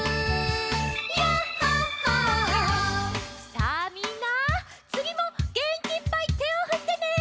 さあみんなつぎもげんきいっぱいてをふってね。